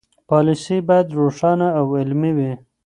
پالیسي باید روښانه او عملي وي.